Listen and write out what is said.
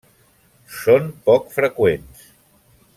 Són poc freqüents.